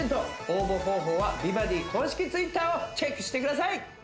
応募方法は「美バディ」公式Ｔｗｉｔｔｅｒをチェックしてください